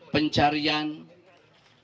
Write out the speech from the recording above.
pencarian demokrasi yang berkualitas